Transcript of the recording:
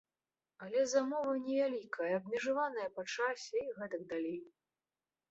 Але замова невялікая, абмежаваная па часе, і гэтак далей.